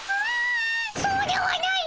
そうではないっ！